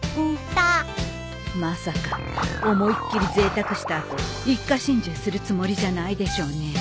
まさか思いっ切りぜいたくした後一家心中するつもりじゃないでしょうね。